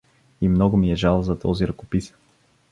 И много ми е жал за този ръкопис.